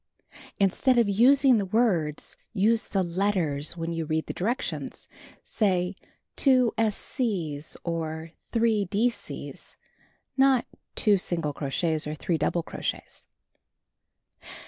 Instead of using the words, use the letters when you read the directions. Say "2 s c's" or "3 d c's"; not 2 single crochets, or 3 double crochets.